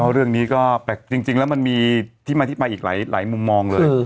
เรื่องนี้ก็แปลกจริงแล้วมันมีที่มาที่ไปอีกหลายมุมมองเลย